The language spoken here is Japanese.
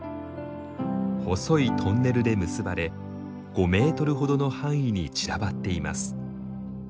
細いトンネルで結ばれ５メートルほどの範囲に散らばっています。